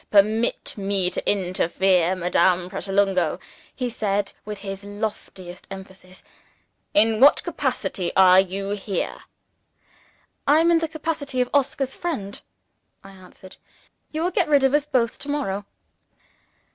"Permit me to inquire, Madame Pratolungo," he said with his loftiest emphasis, "in what capacity are You here?" "In the capacity of Oscar's friend," I answered. "You will get rid of us both to morrow."